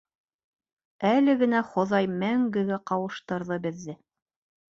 Әле генә Хоҙай мәңгегә ҡауыштырҙы беҙҙе.